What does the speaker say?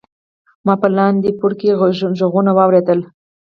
ما په لاندې پوړ کې غږونه واوریدل.